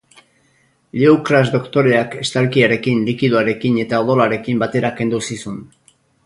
Lioukras doktoreak estalkiarekin, likidoarekin eta odolarekin batera kendu zizun.